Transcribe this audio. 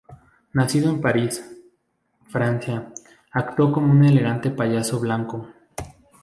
Nacido en París, Francia, actuó como un elegante payaso blanco.